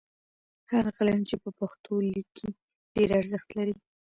هغه قلم چې په پښتو لیکي ډېر ارزښت لري.